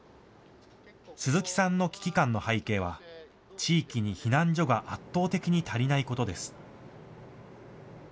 鈴木さんの危機感の背景は、地域に避難所が圧倒的に足りないことです。